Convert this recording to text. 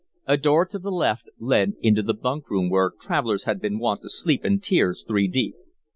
A door to the left led into the bunk room where travellers had been wont to sleep in tiers three deep.